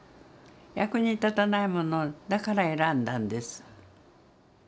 役に立たないものだから選んだんです。